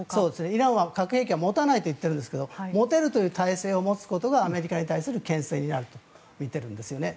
イランは核兵器は持たないといっているんですが持てるという体制を持つことがアメリカに対するけん制になると言ってるんですよね。